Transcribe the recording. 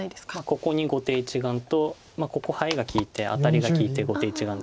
ここに後手一眼とここハイが利いてアタリが利いて後手一眼。